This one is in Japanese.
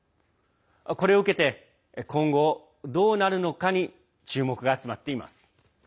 これを受けて今後どうなるのかに注目が集まっています。